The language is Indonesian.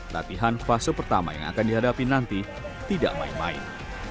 latihan fase pertama yang akan dihadapi nanti tidak main main